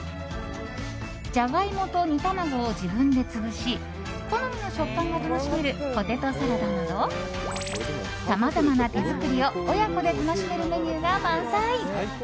ジャガイモと煮卵を自分で潰し好みの食感が楽しめるポテトサラダなどさまざまな手作りを親子で楽しめるメニューが満載。